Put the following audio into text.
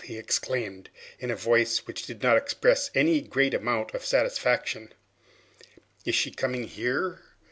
he exclaimed, in a voice which did not express any great amount of satisfaction. "Is she coming here?"